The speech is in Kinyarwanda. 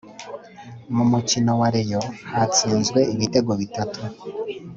Mu mukino wa reyo hatsinzwe ibitego bitatu